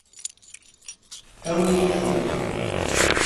Awi-iyi-t-id.